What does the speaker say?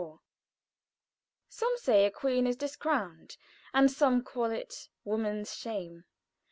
"Some say, 'A queen discrowned,' and some call it 'Woman's shame.'